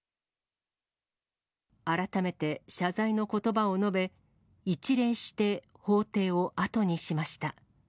改めて謝罪のことばを述べ、一礼して法廷を後にしました。